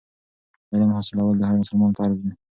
علم حاصلول د هر مسلمان فرض دی.